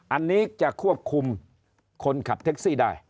อันนี้จะควบคุมคนขับแท็กซี่ได้